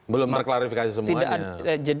belum terklarifikasi semuanya